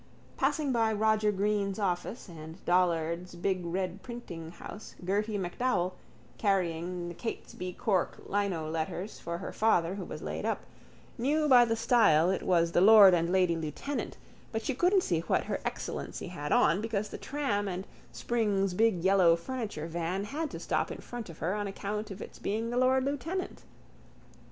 Passing by Roger Greene's office and Dollard's big red printinghouse Gerty MacDowell, carrying the Catesby's cork lino letters for her father who was laid up, knew by the style it was the lord and lady lieutenant but she couldn't see what Her Excellency had on because the tram and Spring's big yellow furniture van had to stop in front of her on account of its being the lord lieutenant.